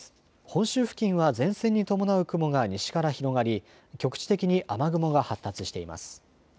本州付近は前線に伴う雲が西から広がり局地的に雨雲が発達しています。